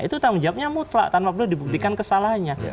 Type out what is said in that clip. itu tanggung jawabnya mutlak tanpa perlu dibuktikan kesalahannya